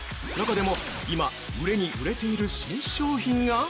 中でも、今、売れに売れている新商品が。